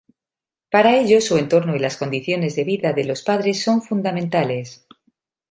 Para ello, su entorno y las condiciones de vida de los padres son fundamentales.